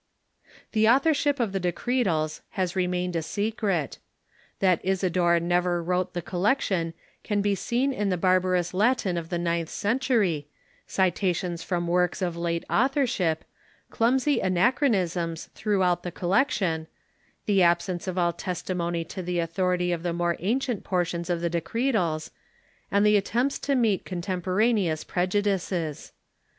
The authorship of the Decretals has remained a secret. That Isidore never wrote the collection can be seen in the barbarous Latin of the ninth century, citations from works of late authorship, clumsy anachronisms throughout the collec tion, the absence of all testimony to the authority of the more ancient portions of the Decretals, and the attempts to meet contemporaneous prejudices.